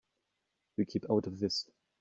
You keep out of this.